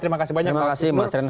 terima kasih banyak pak susmur